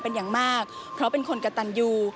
เป็นอย่างมากเพราะเป็นคนกระตันยู